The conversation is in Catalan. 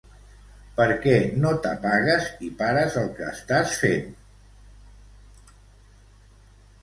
Per què no t'apagues i pares el que estàs fent?